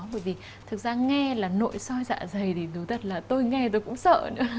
bởi vì thực ra nghe là nội soi dạ dày thì đúng thật là tôi nghe tôi cũng sợ